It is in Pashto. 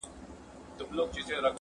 ما په نوم د انتقام يې ته وهلی-